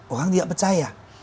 orang tidak percaya